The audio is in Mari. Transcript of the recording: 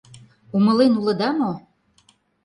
— Умылен улыда мо?